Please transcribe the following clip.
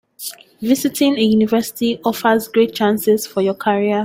Visiting a university offers great chances for your career.